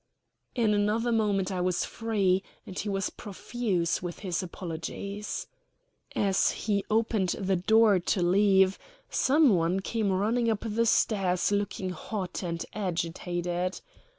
In another moment I was free, and he was profuse with his apologies. As he opened the door to leave some one came running up the stairs looking hot and agitated.